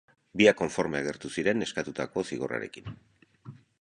Biak konforme agertu ziren eskatutako zigorrarekin.